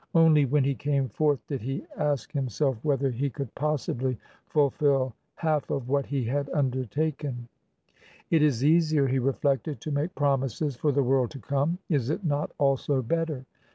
Only when he came forth did he ask himself whether he could possibly fulfil half of what he had undertaken. "It is easier," he reflected, "to make promises for the world to come. Is it not also better?